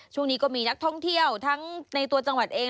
ช่วงนี้ก็มีนักท่องเที่ยวทั้งในตัวจังหวัดเอง